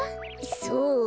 そう？